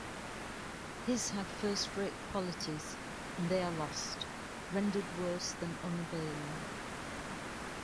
His had first-rate qualities, and they are lost: rendered worse than unavailing.